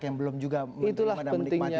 yang belum juga menikmati